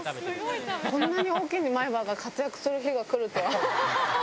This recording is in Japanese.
こんなに大きな前歯が活躍する日が来るとは。